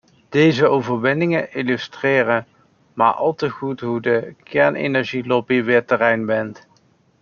Deze overwegingen illustreren maar al te goed hoe de kernenergielobby weer terrein wint.